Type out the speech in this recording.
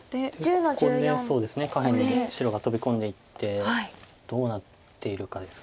ここで下辺に白が飛び込んでいってどうなっているかです。